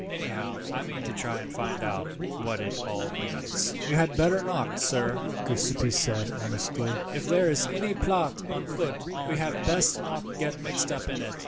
Anyhow, I mean to try and find out what it all means." "You had better not, sir," Giuseppi said earnestly. "If there is any plot on foot we had best not get mixed up in it.